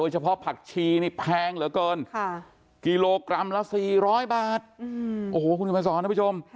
เฉพาะผักชีนี่แพงเหลือเกินกิโลกรัมละ๔๐๐บาทโอ้โหคุณผู้ชมพี่ชม